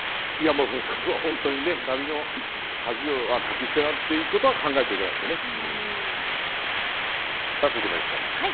それこそ本当に旅の恥はかき捨てだということはさあ、続いてまいりましょう。